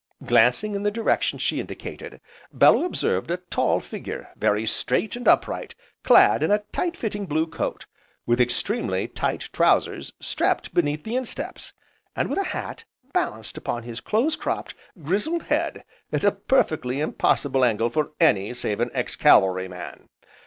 Glancing in the direction she indicated, Bellew observed a tall figure, very straight and upright, clad in a tight fitting blue coat, with extremely tight trousers strapped beneath the insteps, and with a hat balanced upon his close cropped, grizzled head at a perfectly impossible angle for any save an ex cavalry man.